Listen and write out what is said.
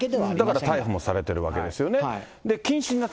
だから逮捕もされてるわけですよね。